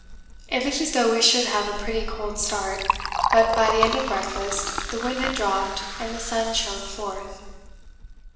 It looked as though we should have a pretty cold start, but by the end of breakfast the wind had dropped and the sun shone forth.